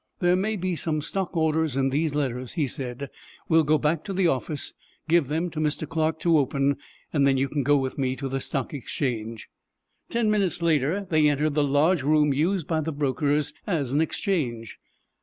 "There may be some stock orders in these letters," he said; "we will go back to the office, give them to Mr. Clark to open, and then you can go with me to the Stock Exchange." Ten minutes later they entered the large room used by the brokers as an Exchange.